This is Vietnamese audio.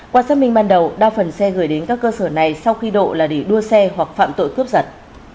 qua xác minh ban đầu đa phần xe gửi đến các cơ sở này sau khi độ là để đua xe hoặc phạm tội cướp giật